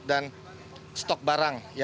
dan stok barangnya